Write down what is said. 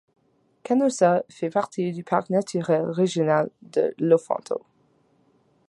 Canosa fait partie du Parc naturel régional de l’Ofanto.